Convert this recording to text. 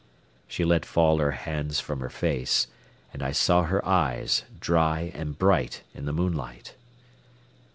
She let fall her hands from her face, and I saw her eyes, dry and bright in the moonlight.